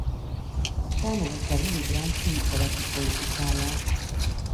Támogatta Willy Brandt új keleti politikáját.